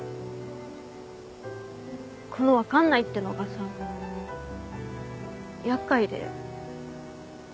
この「分かんない」っていうのがさ厄介で。